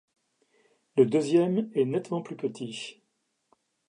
Le deuxième est nettement plus petit.